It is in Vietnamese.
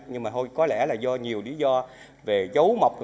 nhưng mà có lẽ là do nhiều lý do về dấu mọc